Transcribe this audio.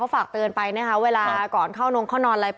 ฝากเตือนไปนะคะเวลาก่อนเข้านงเข้านอนอะไร